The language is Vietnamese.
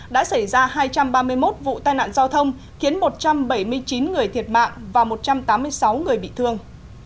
đã xảy ra hai trăm ba mươi một vụ tai nạn giao thông khiến một trăm bảy mươi chín người thiệt mạng và một trăm tám mươi sáu người bị thương